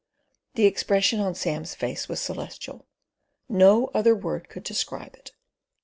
The expression on Sam's face was celestial. No other word could describe it.